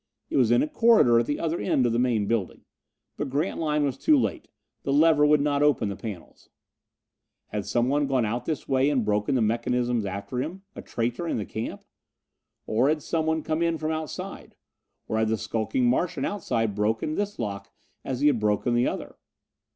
It was in a corridor at the other end of the main building. But Grantline was too late! The lever would not open the panels! Had someone gone out this way and broken the mechanisms after him? A traitor in the camp? Or had someone come in from outside? Or had the skulking Martian outside broken this lock as he had broken the other?